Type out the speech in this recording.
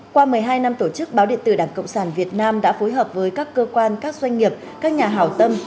qua một mươi hai năm tổ chức báo điện tử đảng cộng sản việt nam đã phối hợp với các cơ quan các doanh nghiệp các nhà hào tâm